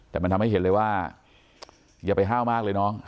แต่มันทำให้เห็นเลยว่าอย่าไปห้าวมากเลยน้อง